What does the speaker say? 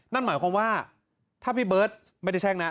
นั่นหมายความว่าถ้าพี่เบิร์ตไม่ได้แช่งนะ